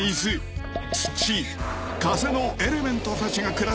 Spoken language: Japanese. ［エレメントたちが暮らす世界］